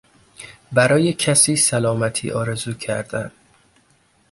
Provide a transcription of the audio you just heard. برای کسی سلامتی آرزو کردن